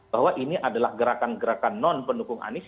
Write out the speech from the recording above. bahwa ini adalah gerakan gerakan non pendukung anies